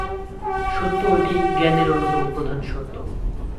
সত্য এটিই জ্ঞানের অন্যতম প্রধান শর্ত।